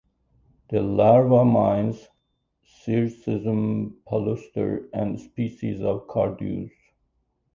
The larva mines "Cirsium palustre" and species of "Carduus".